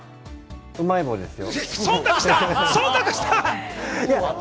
うまい棒ですよ。